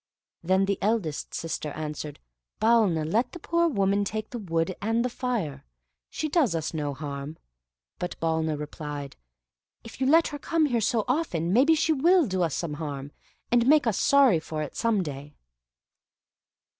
Then the eldest sister answered, "Balna, let the poor woman take the wood and the fire; she does us no harm." But Balna replied, "If you let her come here so often, maybe she will do us some harm, and make us sorry for it, some day."